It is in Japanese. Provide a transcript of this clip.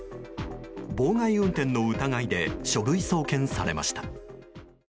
妨害運転の疑いで書類送検されました。